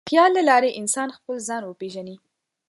د خیال له لارې انسان خپل ځان وپېژني.